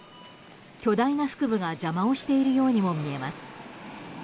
巨大な腹部が邪魔をしているようにも見えます。